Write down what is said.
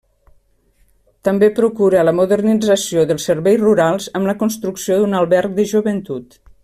També procura la modernització dels serveis rurals amb la construcció d'un Alberg de Joventut.